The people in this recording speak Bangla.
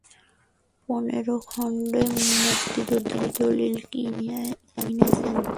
পনেরো খণ্ড মুক্তিযুদ্ধের দলিল কিনেছেন।